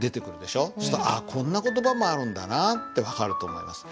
ああこんな言葉もあるんだなって分かると思います。